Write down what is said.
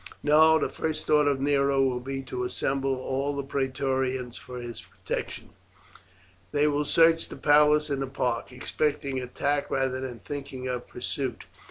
"No; the first thought of Nero will be to assemble all the Praetorians for his protection; they will search the palace and the park, expecting attack rather than thinking of pursuit.